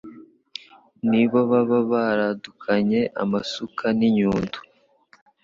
Nibo baba baradukanye amasuka n'inyundo .